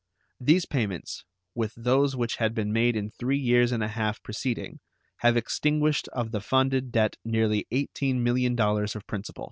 These payments, with those which had been made in three years and a half preceding, have extinguished of the funded debt nearly $18 millions of principal.